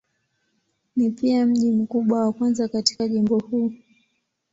Ni pia mji mkubwa wa kwanza katika jimbo huu.